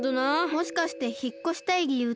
もしかしてひっこしたいりゆうって。